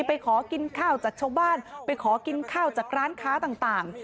ไปขอกินข้าวจากชาวบ้านไปขอกินข้าวจากร้านค้าต่าง